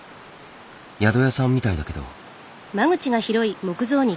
宿屋さんみたいだけど。